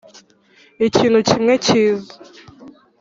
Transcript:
ikintu kimwe kiza